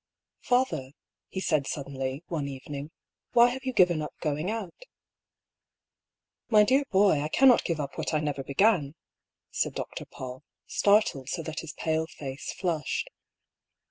|" Father," he said suddenly, one evening, " why have you given up going out ?^*' My dear boy, I cannot give up what I never began," said Dr. Paull, startled so that his pale face flushed.